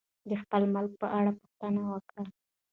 د خپل ملک په اړه پوښتنه وکړه.